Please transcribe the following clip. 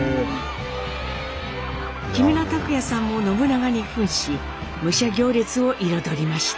木村拓哉さんも信長にふんし武者行列を彩りました。